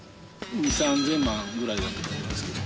２０００３０００万ぐらいだったと思うんですけど。